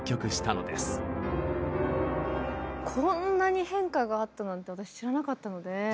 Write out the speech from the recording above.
こんなに変化があったなんて私知らなかったので。